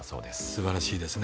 素晴らしいですね。